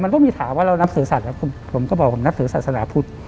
มันก็มีถามว่าเรานับถือสัตว์ผมก็บอกผมนับถือศาสนาพุทธ